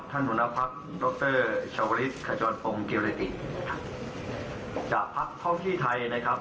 ท่านหัวหน้าภักดิ์ท่านหัวหน้าภักดิ์จากภักดิ์ห้องที่ไทยนะครับ